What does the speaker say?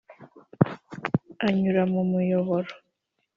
anyure mu muyoboro